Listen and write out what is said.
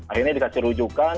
akhirnya dikasih rujukan